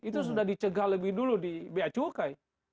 itu sudah dicegah lebih dulu di ba cukai